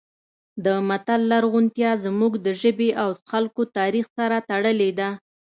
د متل لرغونتیا زموږ د ژبې او خلکو تاریخ سره تړلې ده